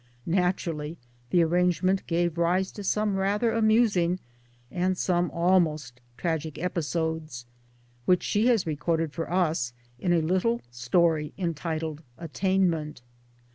Naturally the arrange ment gave rise to some rather amusing and some almost tragic episodes, which she has recorded for us in a little story entitled Attainment.'